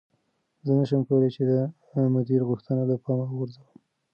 زه نشم کولی چې د مدیر غوښتنه له پامه وغورځوم.